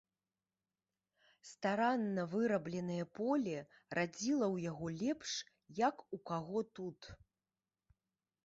Старанна вырабленае поле радзіла ў яго лепш, як у каго тут.